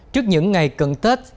trước những ngày cận tết